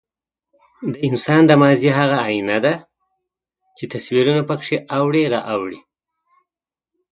د انسان د ماضي هغه ایینه ده، چې تصویرونه پکې اوړي را اوړي.